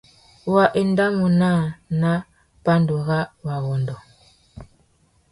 Wa endamú naā nà pandúrâwurrôndô.